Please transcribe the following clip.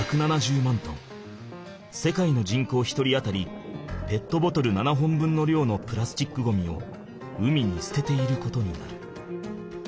世界の人口１人当たりペットボトル７本分のりょうのプラスチックゴミを海にすてていることになる。